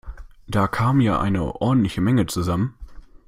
Da kam ja eine ordentliche Menge zusammen!